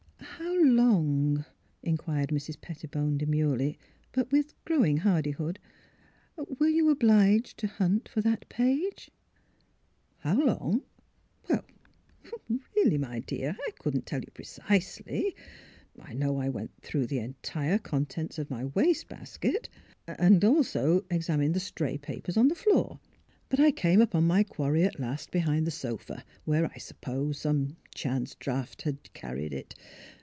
" How long," inquired Mrs. Pettibone de murely, but with growing hardihood, "were you obliged to hunt for that page? "" How long? Why — er — really, my dear, I couldn't tell you precisely. I know I went through the entire contents of my waste basket, and also examined the stray papers on the floor. But I came upon my quarry at last behind the sofa, where I suppose some chance draught had carried it.